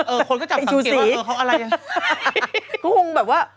เออคนก็จับสังเกตว่า